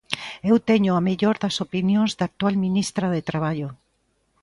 "Eu teño a mellor das opinións da actual ministra de Traballo".